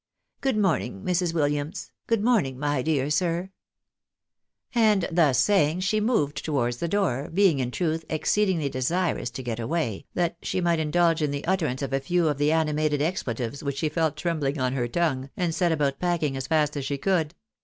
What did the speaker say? Good morning, Mrs; Wil liams ! Good morning, my dear sir !" And thus saying, she moved towards the door, being, in truth, exceedingly desirous to get away, that she might indulge in the uttterance of a few of the animated expletives which she felt trem bUng on her tongue, and set about packing as fast as she could.